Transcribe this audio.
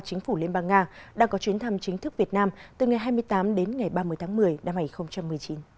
chính phủ liên bang nga đang có chuyến thăm chính thức việt nam từ ngày hai mươi tám đến ngày ba mươi tháng một mươi năm hai nghìn một mươi chín